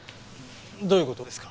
どういう事ですか？